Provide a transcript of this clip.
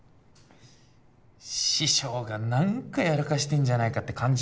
師匠が何かやらかしてんじゃないかって感じ